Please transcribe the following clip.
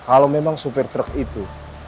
kalau memang supir truk itu